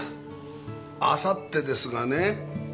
あさってですがね。